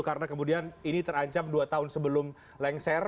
karena kemudian ini terancam dua tahun sebelum lengser